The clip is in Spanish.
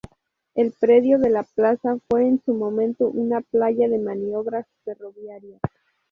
El predio de la plaza fue en su momento una playa de maniobras ferroviaria.